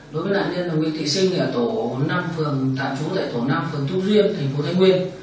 đối với nạn nhân là nguyên thị sinh ở tổ năm phường tà chú tại tổ năm phường thúc riêng thành phố thái nguyên